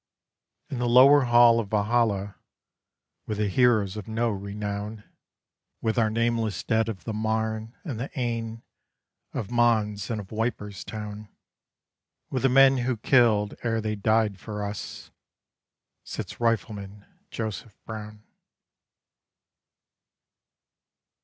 _" In the lower hall of Valhalla, with the heroes of no renown, With our nameless dead of the Marne and the Aisne, of Mons and of Wipers town, With the men who killed ere they died for us, sits Rifleman Joseph Brown.